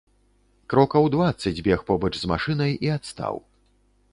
Крокаў дваццаць бег побач з машынай і адстаў.